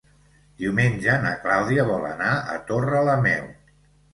Diumenge na Clàudia vol anar a Torrelameu.